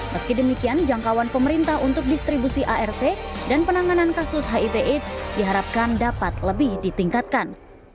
meski demikian jangkauan pemerintah untuk distribusi arv dan penanganan kasus hiv aids diharapkan dapat lebih ditingkatkan